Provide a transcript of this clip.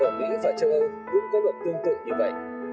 ở mỹ và châu âu cũng có luật tương tự như vậy